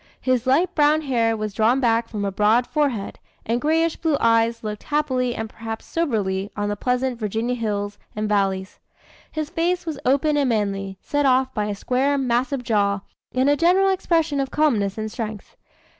His light brown hair was drawn back from a broad forehead, and grayish blue eyes looked happily and perhaps soberly on the pleasant Virginia hills and valleys. His face was open and manly, set off by a square, massive jaw, and a general expression of calmness and strength.